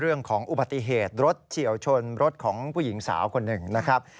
เรื่องของอุบัติเหตุรถเฉียวชนรถของผู้หญิงสาวคนหนึ่งนะครับ